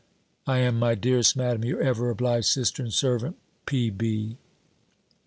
I am, my dearest Madam, your ever obliged sister and servant, P.B.